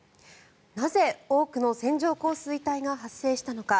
なぜ多くの線状降水帯が発生したのか。